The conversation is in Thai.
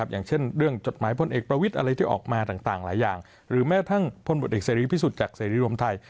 อย่างเช่นจดหมายพลเอกประวิทย์อะไรที่ออกมาต่างหรือทั้งบริษฐศ์เสรีพิสุทธิ์จากเสรีรมไทย